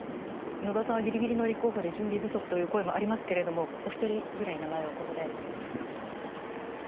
野田さんはぎりぎりの立候補で準備不足という声、ありますけれども、お一人ぐらい名前をここで。